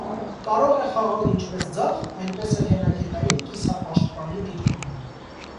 Կարող է խաղալ ինչպես ձախ, այնպես էլ հենակետային կիսապաշտպանի դիրքում։